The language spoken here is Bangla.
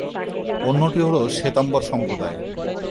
অন্যটি হলো শ্বেতাম্বর সম্প্রদায়।